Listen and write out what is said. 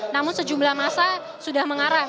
namun sejumlah masa sudah mengarah